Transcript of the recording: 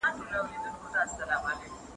د نرمغالي په مابينځ کي مي خپله مځکي ولیدل.